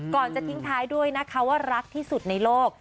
ก่อนจะทิ้งท้ายด้วยนะคะว่ารักที่สุดในโลก